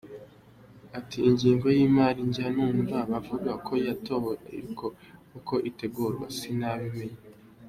Ati “Ingengo y’imari njya numva bavuga ko yatowe ariko uko itegurwa sinabimenya.